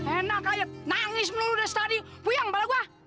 enak kayak nangis mulu dari tadi puyeng kepala gua